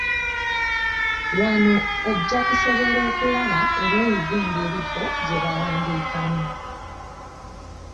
Wano ojja kusobola okulaba era oyige engeri bo gye baawandiikamu.